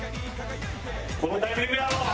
このタイミングやろ！